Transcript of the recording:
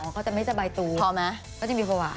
เขาจะไม่สบายตัวพอไหมก็จะมีภาวะ